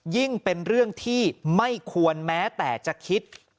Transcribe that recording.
เป็นเรื่องที่ไม่ควรแม้แต่จะคิด